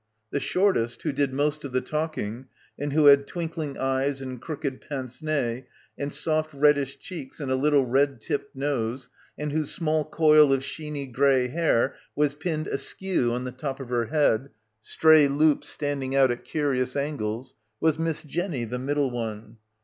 The shortest, who did most of the talking and who had twinkling eyes and crooked pince nez and soft reddish cheeks and a little red tipped nose, and whose small coil of sheeny grey hair was pinned askew on the top of her head — stray loops standing out at curious angles — was Miss Jenny, the middle one.